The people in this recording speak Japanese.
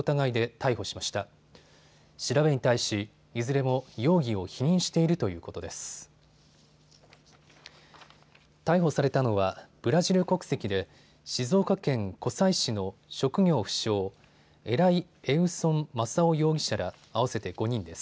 逮捕されたのはブラジル国籍で静岡県湖西市の職業不詳、エライ・エウソン・マサオ容疑者ら合わせて５人です。